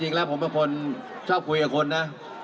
จริงแล้วผมเป็นคนชอบคุยกับคนนะ